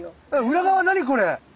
裏側何これ！